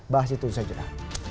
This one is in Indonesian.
bahas itu saja